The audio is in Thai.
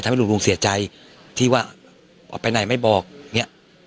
ทำให้ลูกลูกเสียใจที่ว่าออกไปไหนไม่บอกเนี่ย